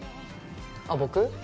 あ僕？